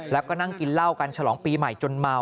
แล้วก็นั่งกินเหล้ากันฉลองปีใหม่จนเมา